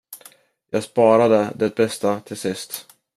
Jag sparade det bästa till sist!